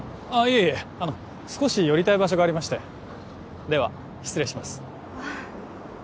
いえいえあの少し寄りたい場所がありましてでは失礼します